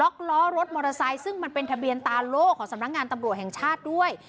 ล้อรถมอเตอร์ไซค์ซึ่งมันเป็นทะเบียนตาโล่ของสำนักงานตำรวจแห่งชาติด้วย